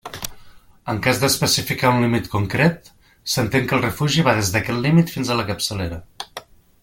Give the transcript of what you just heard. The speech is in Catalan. En cas d'especificar un límit concret, s'entén que el refugi va des d'aquest límit fins a la capçalera.